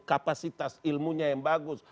kapasitas ilmunya yang bagus